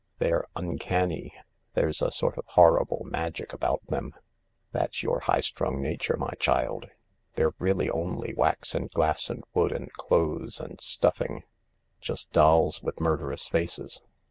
They're uncanny ; there's a sort of horrible magic about them." "That's your highly strung nature, my child. They're really only wax and glass and wood and clothes and stuffing —just dolls with murderous faces.